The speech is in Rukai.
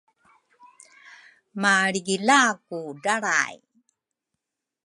malrigila ku dralray